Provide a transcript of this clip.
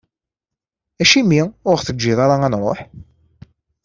Acimi ur ɣ-teǧǧiḍ ara nruḥ?